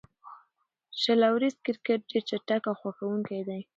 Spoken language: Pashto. شل اوریز کرکټ ډېر چټک او خوښوونکی دئ.